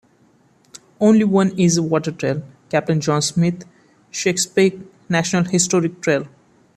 Only one is a water trail, Captain John Smith Chesapeake National Historic Trail.